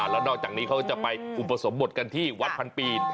แล้วนอกจากนี้เขาก็จะไปอุปสมบทกันที่วัดพันปีน